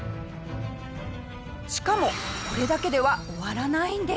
しかもこれだけでは終わらないんです。